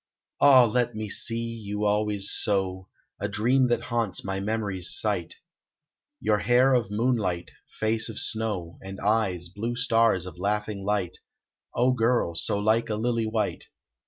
Ah, let me see you always so! A dream that haunts my memory's sight Your hair of moonlight, face of snow, And eyes, blue stars of laughing light, O girl, so like a lily white!